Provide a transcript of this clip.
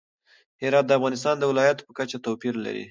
هرات د افغانستان د ولایاتو په کچه توپیر لري.